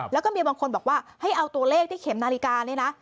แล้วก็มีบางคนบอกว่าให้เอาตัวเลขที่เข็มนาฬิกานี่นะ